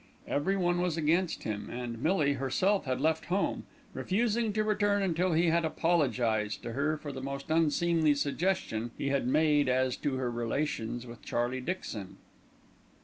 Everyone was against him, and Millie herself had left home, refusing to return until he had apologised to her for the most unseemly suggestion he had made as to her relations with Charlie Dixon.